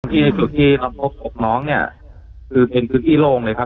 ที่น้องพบกับน้องเนี้ยคือเป็นพื้นที่โล่งเลยครับ